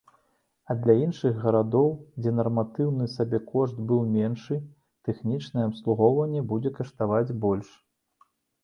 А для іншых гарадоў, дзе нарматыўны сабекошт быў меншы, тэхнічнае абслугоўванне будзе каштаваць больш.